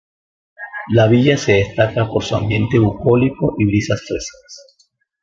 La villa se destaca por su "ambiente bucólico y brisas frescas".